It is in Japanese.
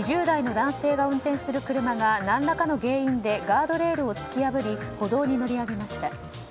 ２０代の男性が運転する車が何らかの原因でガードレールを突き破り歩道に乗り上げました。